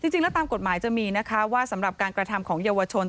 จริงแล้วตามกฎหมายจะมีนะคะว่าสำหรับการกระทำของเยาวชน